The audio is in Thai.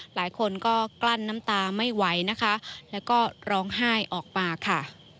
หลายคนก็กลั้นน้ำตาไม่ไหวนะคะแล้วก็ร้องไห้ออกมาค่ะ